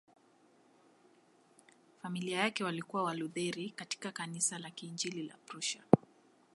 Familia yake walikuwa Walutheri katika Kanisa la Kiinjili la Prussia.